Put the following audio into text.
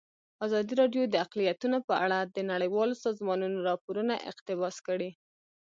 ازادي راډیو د اقلیتونه په اړه د نړیوالو سازمانونو راپورونه اقتباس کړي.